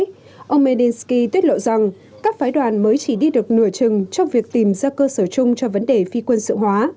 tuy nhiên ông medensky tuyết lộ rằng các phái đoàn mới chỉ đi được nửa chừng trong việc tìm ra cơ sở chung cho vấn đề phi quân sự hóa